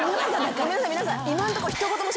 ごめんなさい皆さん今んとこ。